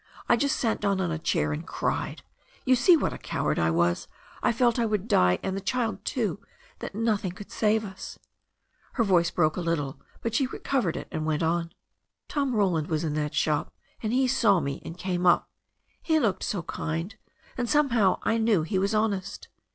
I just sat down on a chair and cried — ^you see what a coward I was — I felt I would die, and the child too, that nothing could save us " Her voice broke a little, but she recovered it and went on. "Tom Roland was in that shop, and he saw me and came up. He looked so kind — and somehow I knew he was hon est.